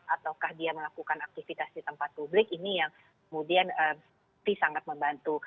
ataukah dia melakukan aktivitas di tempat publik ini yang kemudian sangat membantu